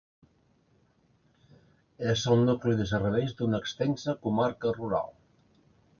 És el nucli de serveis d'una extensa comarca rural.